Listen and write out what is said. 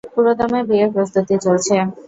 পুরোদমে বিয়ের প্রস্তুতি চলছে।